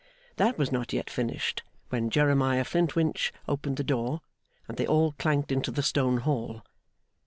That was not yet finished when Jeremiah Flintwinch opened the door, and they all clanked into the stone hall.